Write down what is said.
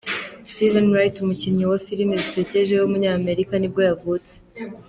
Steven Wright, umukinnyi wa filime zisekeje w’umunyamerika nibwo yavutse.